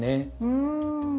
うん。